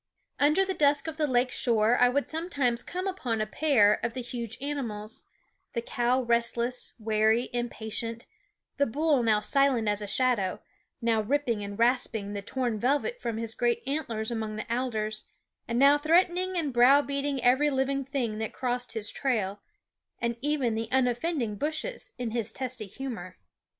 Under the dusk of the lake shore I would 289 290 Jfffie Sound of Sfte Prutnpef 9 SCHOOL OF sometimes come upon a pair of the huge animals, the cow restless, wary, impatient, the bull now silent as a shadow, now ripping and rasping the torn velvet from his great antlers among the alders, and now threaten ing and browbeating every living thing that crossed his trail, and even the unoffending bushes, in his testy humor.